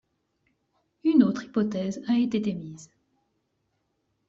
Une autre hypothèse a été émise.